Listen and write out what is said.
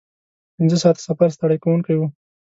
پنځه ساعته سفر ستړی کوونکی و.